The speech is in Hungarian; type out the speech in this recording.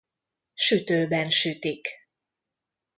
Sütőben sütik.